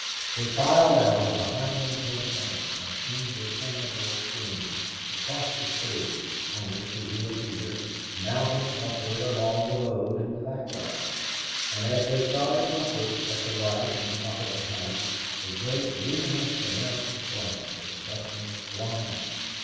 They filed out and behind them came others, an interminable stream, across the stage, only to reappear, mounting upward along the road in the background. And as they started upward, at the right and top of the height, a great luminous American flag was suddenly flung out.